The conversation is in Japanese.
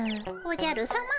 おじゃるさま